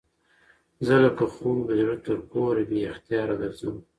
زه لکه خوب د زړه تر کوره بې اختیاره درځم